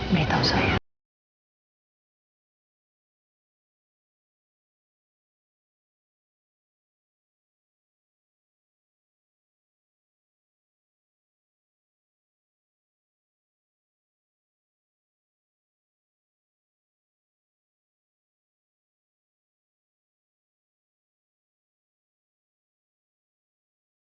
beritahu aku bapak tak tahu